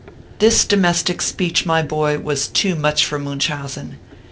This domestic speech, my boy, was too much for Munchausen.